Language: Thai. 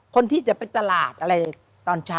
คนที่จะไปตลาดอะไรตอนเช้า